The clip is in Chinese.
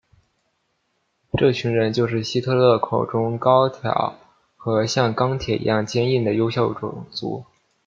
这群人就是希特勒口中高挑和像钢铁一样坚硬的优秀种族。